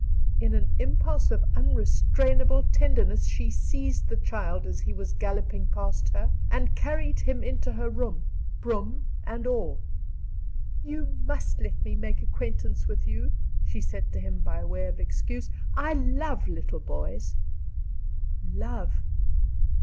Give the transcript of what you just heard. In an impulse of unrestrainable tenderness, she seized the child, as he was galloping past her, and carried him into her room, broom and all. "You must let me make acquaintance with you," she said to him by way of excuse. "I love little boys." Love!